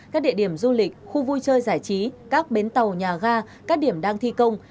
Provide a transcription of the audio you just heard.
các địa điểm du lịch khu vui chơi giải trí các bến tàu nhà ga các điểm đang thi công